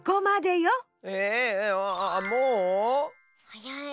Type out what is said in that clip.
はやい。